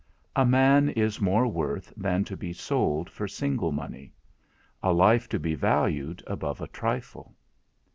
A man is more worth than to be sold for single money; a life to be valued above a trifle.